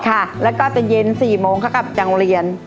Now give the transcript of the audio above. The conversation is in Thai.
ค่ะแล้วก็จะเย็น๔โมงเขากลับจากโรงเรียน